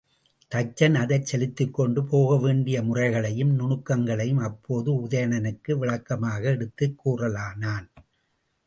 தச்சன், அதைச் செலுத்திக்கொண்டு போகவேண்டிய முறைகளையும், நுணுக்கங்களையும் அப்போது உதயணனுக்கு விளக்கமாக எடுத்துக் கூறலானான்.